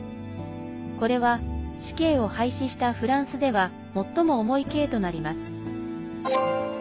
これは、死刑を廃止したフランスでは最も重い刑となります。